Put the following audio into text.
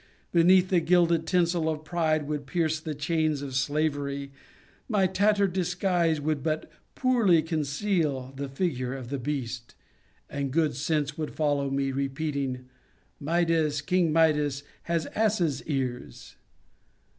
Beneath the gilded tinsel of pride would pierce the chains of slavery; my tattered disguise would but poorly conceal the figure of the beast, and good sense would follow me, repeating: "Midas, King Midas has ass s ears."